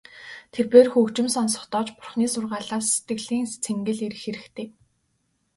Тэрбээр хөгжим сонсохдоо ч Бурханы сургаалаас сэтгэлийн цэнгэл эрэх хэрэгтэй.